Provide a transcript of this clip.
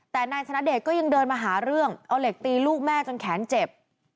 แต่นายชนะเดชก็ยังเดินมาหาเรื่องเอาเหล็กตีลูกแม่จนแขนเจ็บ